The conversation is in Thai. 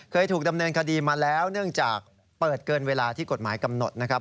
เคยถูกดำเนินคดีมาแล้วเนื่องจากเปิดเกินเวลาที่กฎหมายกำหนดนะครับ